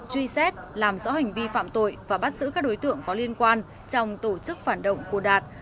truy xét làm rõ hành vi phạm tội và bắt giữ các đối tượng có liên quan trong tổ chức phản động của đạt